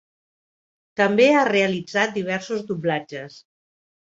També ha realitzat diversos doblatges.